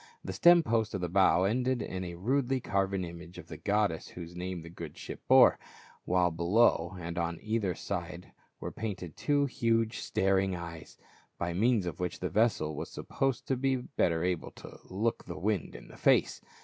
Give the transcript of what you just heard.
The stem post of the bow ended in a rudely carven image of the goddess whose name the good ship bore, while below and on either side were painted two huge star ing eyes, by means of which the vessel was supposed to be better able to " look the wind in the face."